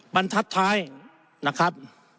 บรรทัดท้ายนะครับ